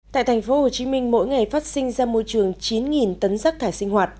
tại thành phố hồ chí minh mỗi ngày phát sinh ra môi trường chín tấn rác thải sinh hoạt